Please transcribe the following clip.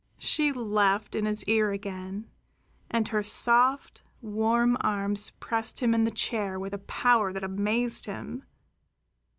She laughed in his ear again, and her soft, warm arms pressed him back in the chair with a power that amazed him.